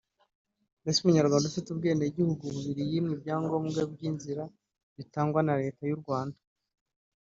Mbese umunyarwanda ufite ubwenegihugu bubiri wimwe ibyangombwa by’inzira bitangwa na leta y’u Rwanda